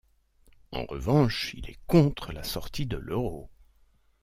En revanche, il est contre la sortie de l’Euro.